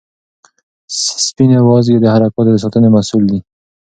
سپینې وازګې د حرکاتو د ساتنې مسؤل دي.